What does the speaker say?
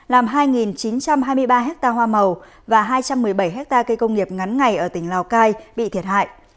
làm hai chín trăm hai mươi ba hectare hoa màu và hai trăm một mươi bảy hectare cây công nghiệp ngắn ngày ở tỉnh lào cai bị thiệt hại